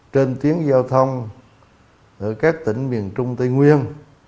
trên tuyến giao thông ở các tỉnh miền trung tây nguyên